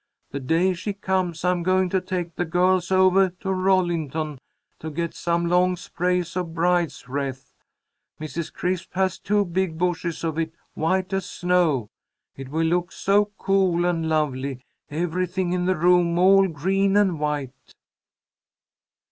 The day she comes I'm going to take the girls ovah to Rollington to get some long sprays of bride's wreath. Mrs. Crisp has two big bushes of it, white as snow. It will look so cool and lovely, everything in the room all green and white."